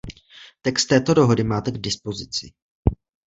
Text této dohody máte k dispozici.